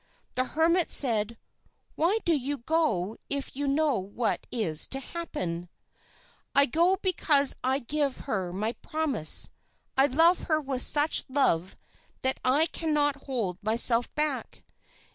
"The hermit said: 'Why do you go if you know what is to happen?' "'I go because I gave her my promise. I love her with such a love that I cannot hold myself back.